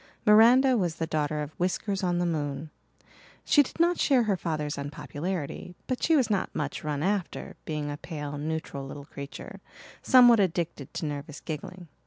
Miranda was the daughter of Whiskers on the moon; she did not share her father's unpopularity but she was not much run after, being a pale, neutral little creature, somewhat addicted to nervous giggling.